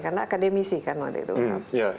karena anda akademisikan waktu itu